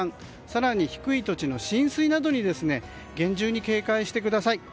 更に、低い土地の浸水などに厳重に警戒してください。